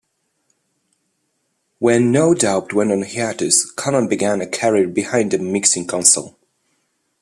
When No Doubt went on hiatus, Kanal began a career behind the mixing console.